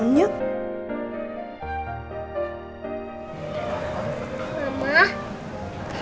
bangun yuk sayang